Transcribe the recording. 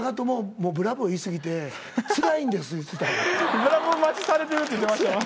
「ブラボー待ちされてる」って言ってましたもん。